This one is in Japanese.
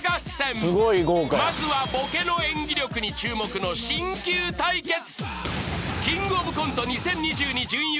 ［まずはボケの演技力に注目の新旧対決］